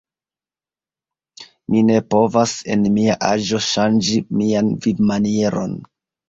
Mi ne povas, en mia aĝo, ŝanĝi mian vivmanieron.